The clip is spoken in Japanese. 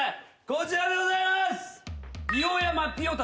こちらでございます！